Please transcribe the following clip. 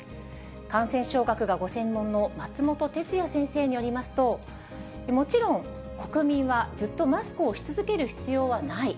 感染症学がご専門の松本哲哉先生によりますと、もちろん国民はずっとマスクをし続ける必要はない。